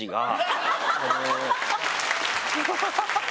ハハハハ！